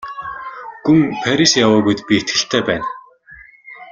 Гүн Парис яваагүйд би итгэлтэй байна.